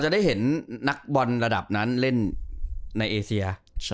ได้เห็นนักบอลระดับนั้นเล่นในเอเซีย